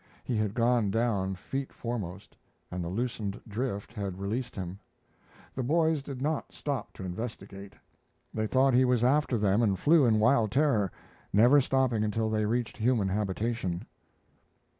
He had gone down feet foremost, and the loosened drift had released him. The boys did not stop to investigate. They thought he was after them and flew in wild terror, never stopping until they reached human habitation.